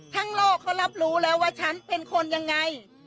โลกเขารับรู้แล้วว่าฉันเป็นคนยังไง